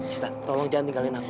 sita tolong jangan tinggalin aku